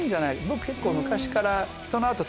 僕結構昔から。